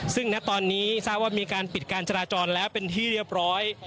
ซึ่งณตอนนี้ทราบว่ามีการปิดการจราจรแล้วเป็นที่เรียบร้อย